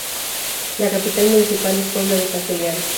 La capital municipal es Puebla de San Julián.